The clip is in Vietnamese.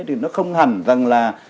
thì nó không hẳn rằng là